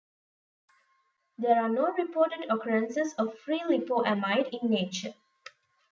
There are no reported occurrences of free lipoamide in nature.